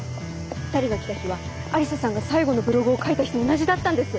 ２人が来た日は愛理沙さんが最後のブログを書いた日と同じだったんです。